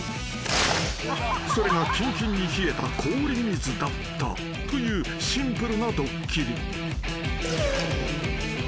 ［それがきんきんに冷えた氷水だったというシンプルなドッキリ］